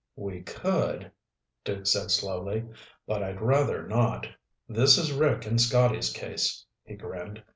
"We could," Duke said slowly, "but I'd rather not. This is Rick and Scotty's case." He grinned.